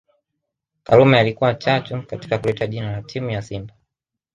Karume alikuwa chachu katika kuleta jina la timu ya simba